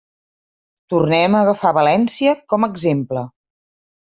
Tornem a agafar València com a exemple.